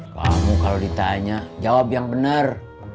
kamu kalau ditanya jawab yang benar